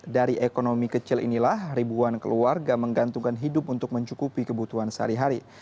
dari ekonomi kecil inilah ribuan keluarga menggantungkan hidup untuk mencukupi kebutuhan sehari hari